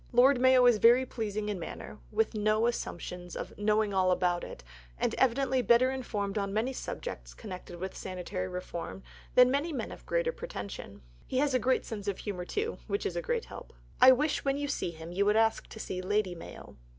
Lord Mayo is very pleasing in manner, with no assumption of "knowing all about it," and evidently better informed on many subjects connected with sanitary reform than many men of greater pretension. He has a great sense of humour, too, which is a great help. I wish, when you see him, you would ask to see Lady Mayo.